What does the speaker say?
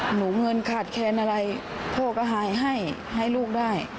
หนูเงินขาดแคนอะไรพ่อก็ให้ลูกได้